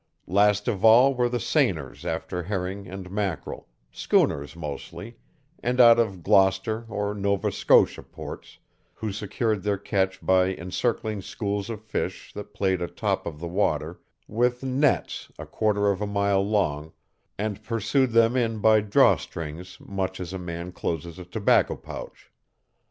Last of all were the seiners after herring and mackerel, schooners mostly, and out of Gloucester or Nova Scotia ports, who secured their catch by encircling schools of fish that played atop of the water with nets a quarter of a mile long, and pursued them in by drawstrings much as a man closes a tobacco pouch.